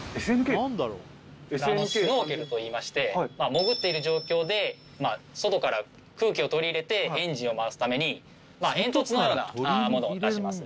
潜っている状況で外から空気を取り入れてエンジンを回すために煙突のようなものを出します。